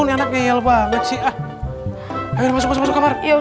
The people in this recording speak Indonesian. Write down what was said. nih anaknya yel banget sih ah masuk masuk kamar yuk